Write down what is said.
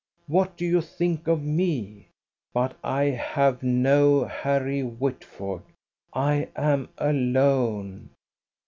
what do you think of me? But I have no Harry Whitford, I am alone.